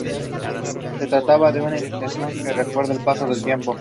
Se trata de una indicación que recuerda el paso del tiempo.